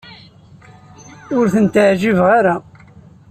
Ur tent-ɛjibeɣ ara.